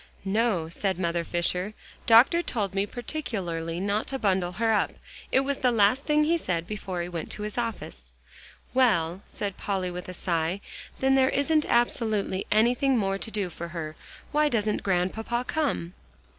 "No," said Mother Fisher. "Doctor told me particularly not to bundle her up. It was the last thing he said before he went to his office." "Well," said Polly with a sigh, "then there isn't absolutely anything more to do for her. Why doesn't Grandpapa come?"